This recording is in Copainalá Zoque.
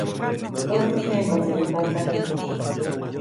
ʼÄjtsi tseʼmbaʼtsi teʼ ntataʼis.